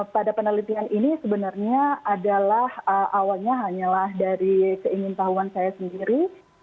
pada penelitian ini sebenarnya adalah awalnya hanyalah dari keingin tahuan saya sendiri